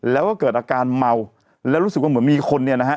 แล้วก็เกิดอาการเมาแล้วรู้สึกว่าเหมือนมีคนเนี่ยนะฮะ